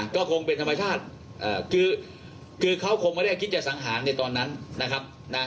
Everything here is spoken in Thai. ก็คงเป็นธรรมชาติคือเขาคงไม่ได้คิดจะสังหารในตอนนั้นนะครับ